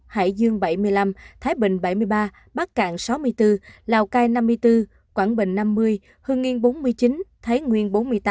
hải dương bảy mươi năm thái bình bảy mươi ba bắc cạn sáu mươi bốn lào cai năm mươi bốn quảng bình năm mươi hương yên bốn mươi chín thái nguyên bốn mươi tám